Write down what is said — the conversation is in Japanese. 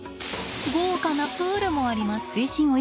豪華なプールもあります。